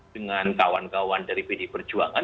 dengan kawan kawan dari pdi perjuangan